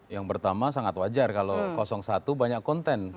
yang pertama sangat wajar kalau satu banyak konten